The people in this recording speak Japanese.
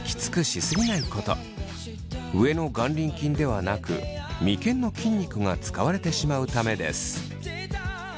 上の眼輪筋ではなく眉間の筋肉が使われてしまうためです。